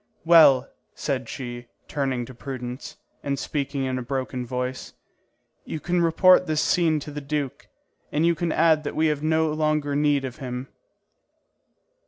"Well," said she, turning to Prudence, and speaking in a broken voice, "you can report this scene to the duke, and you can add that we have no longer need of him."